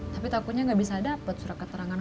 tapi takutnya nggak bisa dapet surat keterangan ku